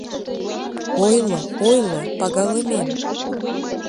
— Ойло, ойло, пагалымем!